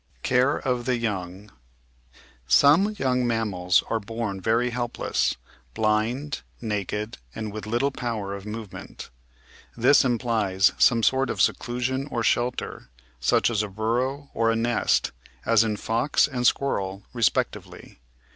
Care of the Young Some young mammals are born very helpless — blind, naked, and with little power of movement. This implies some sort of se clusion or shelter, such as a burrow or a nest, as in Fox and Squirrel respectively.